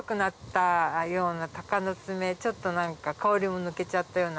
ちょっと香りも抜けちゃったような。